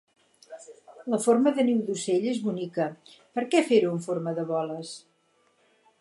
La forma de niu d'ocell és bonica, per què fer-ho en forma de boles?